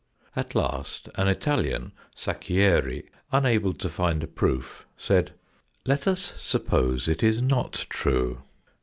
At last an Italian, Sacchieri, unable to find a proof, said : "Let us suppose it not true."